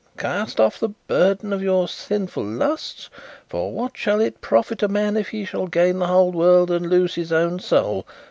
Cast off the burden of your sinful lusts, for what shall it profit a man if he shall gain the whole world and lose his own soul?